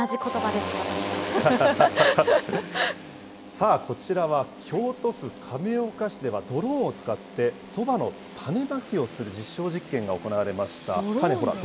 さあ、こちらは京都府亀岡市では、ドローンを使って、そばの種まきをする実証実験が行われまドローン？